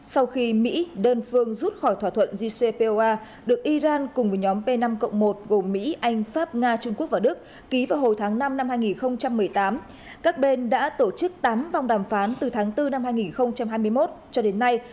sau khi mỹ đơn phương rút khỏi thỏa thuận jcpoa được iran cùng với nhóm p năm một gồm mỹ anh pháp nga trung quốc và đức ký vào hồi tháng năm năm hai nghìn một mươi tám các bên đã tổ chức tám vòng đàm phán từ tháng bốn năm hai nghìn hai mươi một cho đến nay